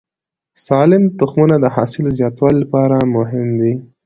سالم تخمونه د حاصل زیاتوالي لپاره مهم دي.